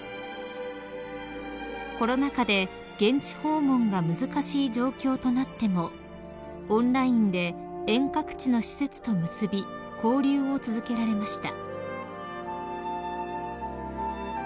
［コロナ禍で現地訪問が難しい状況となってもオンラインで遠隔地の施設と結び交流を続けられました］